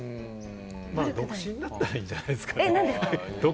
独身だったらいいんじゃないですか？